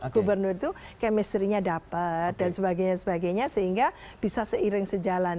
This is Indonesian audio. gubernur itu kemestrinya dapat dan sebagainya sehingga bisa seiring sejalan